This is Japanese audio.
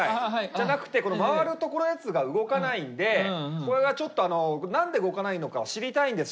じゃなくて回るところのやつが動かないんでこれがちょっと何で動かないのかを知りたいんですよ。